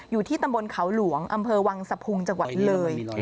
อยู่ที่ตำบลเขาหลวงอำเภอวังสะพุงจังหวัดเลย